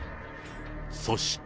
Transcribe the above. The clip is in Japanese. そして。